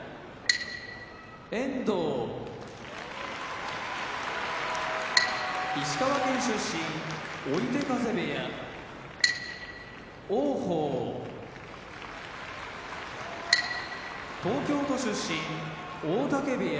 遠藤石川県出身追手風部屋王鵬東京都出身大嶽部屋